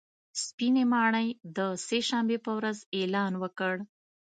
سپینې ماڼۍ د سې شنبې په ورځ اعلان وکړ